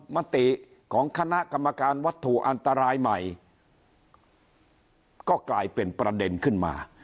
มติของคณะกรรมการวัตถุอันตรายใหม่ก็กลายเป็นประเด็นขึ้นมา